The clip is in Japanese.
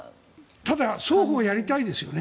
ただ、双方やりたいですよね。